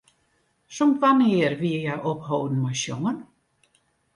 Sûnt wannear wie hja opholden mei sjongen?